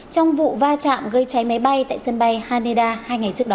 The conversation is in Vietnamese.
trong vụ va chạm gây cháy máy bay tại sân bay haneda hai ngày trước đó